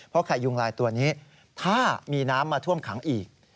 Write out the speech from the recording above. เพราะไข่ยุงลายตัวนี้ถ้ามีน้ำมาท่วมขังอีก